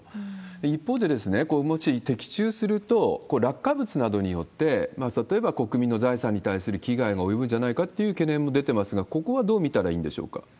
一方で、これ、もし的中すると、落下物などによって、例えば国民の財産に対する危害も及ぶんじゃないかという懸念も出てますが、ここはどう見たらいいんでしょうか？